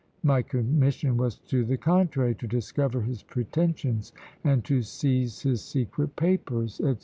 My commission was to the contrary, to discover his pretensions, and to seize his secret papers," &c.